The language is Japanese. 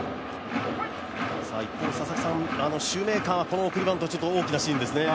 一方、佐々木さん、シューメーカーはこの送りバント、大きなシーンですよね。